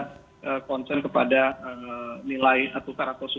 tadi bicara masalah faktor tekanan terkena